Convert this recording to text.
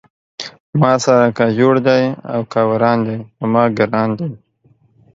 ما سره که جوړ دی او که وران دی پۀ ما ګران دی